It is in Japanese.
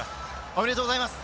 おめでとうございます。